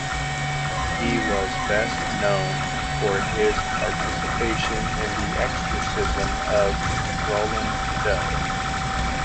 He was best known for his participation in the Exorcism of Roland Doe.